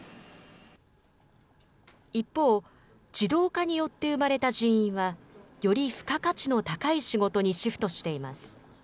一方、自動化によって生まれた人員は、より付加価値の高い仕事にシフトしています。